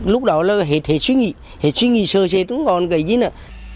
lúc đó là hết suy nghĩ hết suy nghĩ sơ chế không còn cái gì nữa